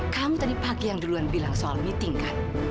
kamu tadi pagi yang duluan bilang soal meeting kan